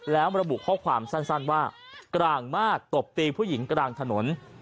แล้วระบุข้อความสั้นว่ากลางมากตบตีผู้หญิงกลางถนน